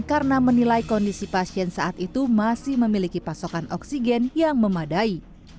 karena menilai kondisi pasien saat itu masih memiliki pasokan oksigen yang memadai